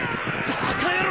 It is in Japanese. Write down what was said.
バカ野郎！